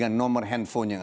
yang sama yang besarnya